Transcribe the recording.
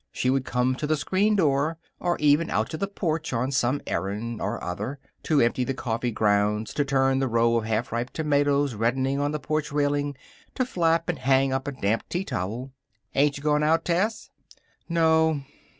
She would come to the screen door, or even out to the porch on some errand or other to empty the coffee grounds, to turn the row of half ripe tomatoes reddening on the porch railing, to flap and hang up a damp tea towel. "Ain't you goin' out, Tess?" "No."